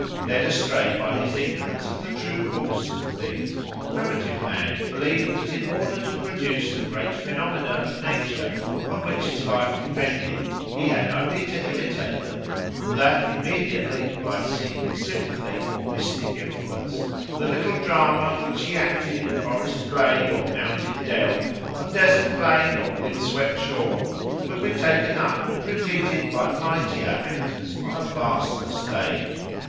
Led astray by his ignorance of the true causes of things, primitive man believed that in order to produce the great phenomena of nature on which his life depended he had only to imitate them, and that immediately by a secret sympathy or mystic influence the little drama which he acted in forest glade or mountain dell, on desert plain or wind swept shore, would be taken up and repeated by mightier actors on a vaster stage.